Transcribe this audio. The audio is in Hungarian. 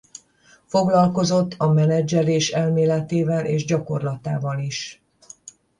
Foglalkozott a menedzselés elméletével és gyakorlatával is.